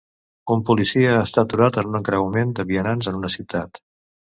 Un policia està aturat a un encreuament de vianants en una ciutat.